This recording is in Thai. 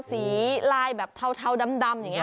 ลายแบบเทาดำอย่างนี้